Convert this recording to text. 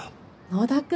野田君